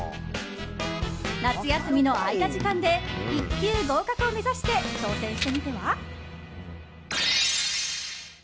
夏休みの空いた時間で１級合格を目指して挑戦してみては？